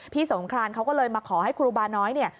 สงครานเขาก็เลยมาขอให้ครูบาน้อยเนี่ย